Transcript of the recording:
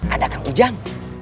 ada kang hujan